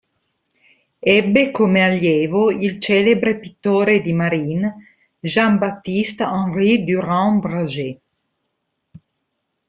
Ebbe come allievo il celebre pittore di marine Jean-Baptiste Henri Durand-Brager.